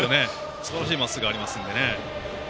すばらしいまっすぐがありますのでね。